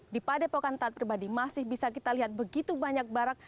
di padepokan taat pribadi masih bisa kita lihat begitu banyak barak